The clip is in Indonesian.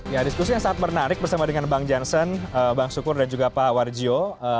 ya diskusi yang sangat menarik bersama dengan bang jansen bang sukur dan juga pak warjio